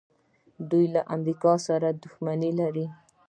دوی له امریکا سره دښمني لري.